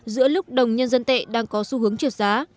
giữa lúc đồng nhân dân tệ đang có xu hướng trượt giá